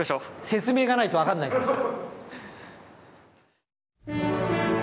説明がないと分かんないからさ。